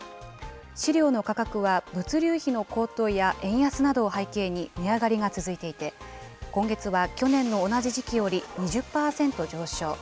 飼料の価格は物流費の高騰や円安などを背景に、値上がりが続いていて、今月は去年の同じ時期より２０％上昇。